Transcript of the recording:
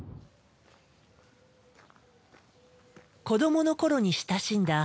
子どもの頃に親しんだ